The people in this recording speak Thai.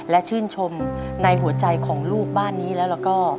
และชื่นชมในหัวใจของลูกบ้านนี้แล้วก็